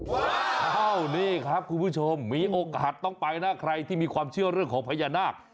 อ้าวนี่ครับคุณผู้ชมมีโอกาสต้องไปนะใครที่มีความเชื่อเรื่องของพญานาค